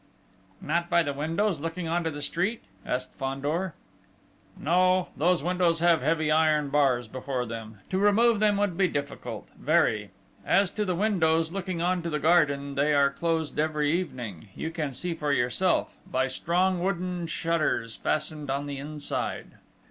"Not by the windows looking on to the street?" asked Fandor. "No, those windows have heavy iron bars before them. To remove them would be difficult very ... As to the windows looking on to the garden, they are closed every evening you can see for yourself by strong wooden shutters fastened on the inside."